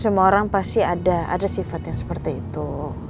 semua orang pasti ada sifat yang seperti itu